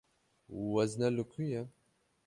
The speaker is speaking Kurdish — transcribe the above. Wezne li ku ye?